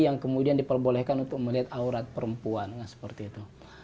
yang kemudian diperbolehkan untuk melihat aurat perempuan seperti itu